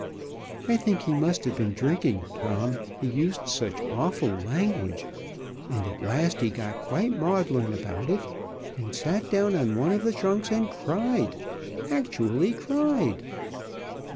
I think he must have been drinking, Tom, he used such awful language, and at last he got quite maudlin about it and sat down on one of the trunks and cried, actually cried!